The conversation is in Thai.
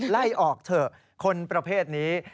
ไล่ออกเถอะคนประเภทนี้